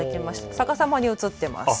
逆さまに写っています。